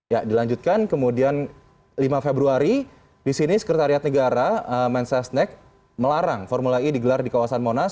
ya dilanjutkan kemudian lima februari di sini sekretariat negara mensesnek melarang formula e digelar di kawasan monas